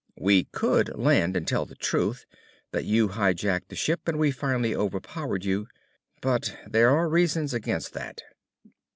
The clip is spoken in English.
We could land and tell the truth, that you hijacked the ship and we finally overpowered you. But there are reasons against that."